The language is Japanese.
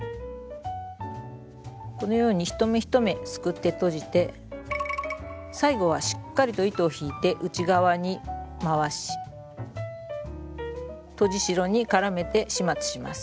このように一目一目すくってとじて最後はしっかりと糸を引いて内側に回しとじ代に絡めて始末します。